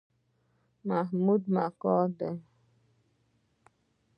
محمود مکار دی.